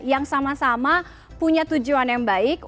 yang sama sama punya tujuan yang baik